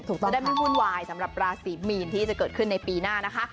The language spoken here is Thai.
จะได้ไม่วุ่นวายสำหรับราศีมีนที่จะเกิดขึ้นในปีหน้านะคะ